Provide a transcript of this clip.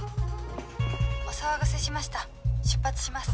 お騒がせしました出発します。